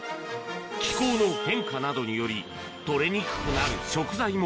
気候の変化などにより、取れにくくなる食材も。